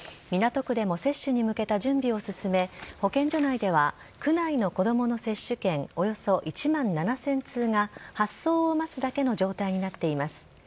港区でも接種に向けた準備を進め、保健所内では区内の子どもの接種券およそ１万７０００通が、発送を待つだけの状態になっています。